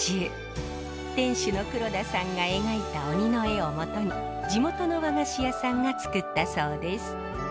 店主の黒田さんが描いた鬼の絵をもとに地元の和菓子屋さんが作ったそうです。